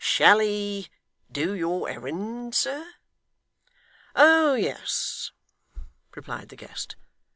'Shall he do your errand, sir?' 'Oh yes,' replied the guest.